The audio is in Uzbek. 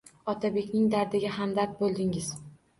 Otabekning dardiga hamdard bo‘ldingiz.